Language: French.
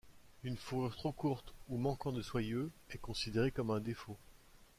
Une fourrure trop courte ou manquant de soyeux est considérée comme un défaut.